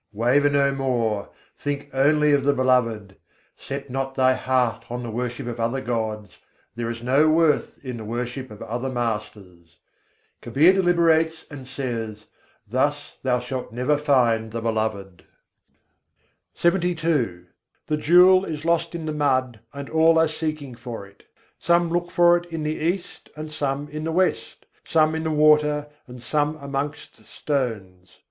Waver no more, think only of the Beloved; Set not thy heart on the worship of other gods, there is no worth in the worship of other masters. Kabîr deliberates and says: "Thus thou shalt never find the Beloved!" LXXII III. 26. tor hîrâ hirâilwâ kîcad men The jewel is lost in the mud, and all are seeking for it; Some look for it in the east, and some in the west; some in the water and some amongst stones.